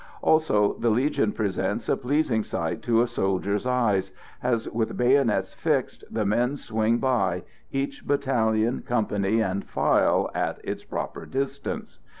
Also the Legion presents a pleasing sight to a soldier's eyes, as with bayonets fixed the men swing by, each battalion, company and file at its proper distance.